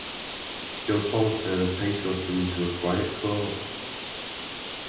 Jo follows her a pace or two into a quiet court.